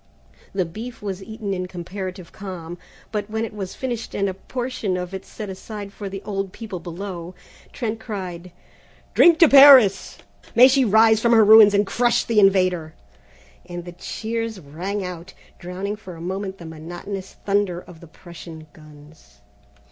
The beef was eaten in comparative calm, but when it was finished and a portion of it set aside for the old people below, Trent cried: "Drink to Paris! May she rise from her ruins and crush the invader!" and the cheers rang out, drowning for a moment the monotonous thunder of the Prussian guns.